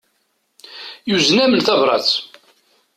Yuzen-am-n tabrat.